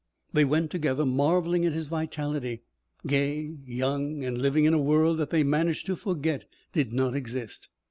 They went together, marvelling at his vitality, gay, young, and living in a world that they managed to forget did not exist.